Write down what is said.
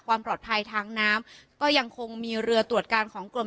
ความปลอดภัยทางน้ำก็ยังคงมีเรือตรวจการของกรม